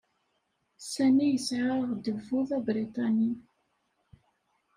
Sami yesɛa aɣdebbu d abriṭani.